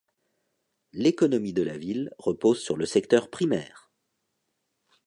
L'économie de la ville repose sur le secteur primaire.